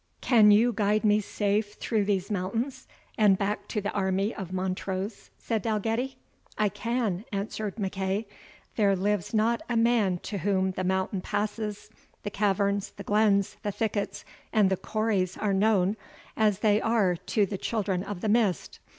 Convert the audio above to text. "Can you guide me safe through these mountains, and back to the army of Montrose?" said Dalgetty. "I can," answered MacEagh; "there lives not a man to whom the mountain passes, the caverns, the glens, the thickets, and the corries are known, as they are to the Children of the Mist.